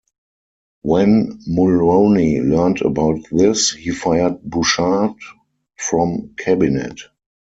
When Mulroney learned about this, he fired Bouchard from cabinet.